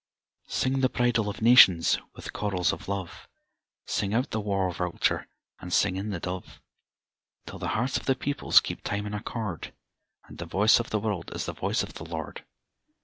II. Sing the bridal of nations! with chorals of love Sing out the war vulture and sing in the dove, Till the hearts of the peoples keep time in accord, And the voice of the world is the voice of the Lord!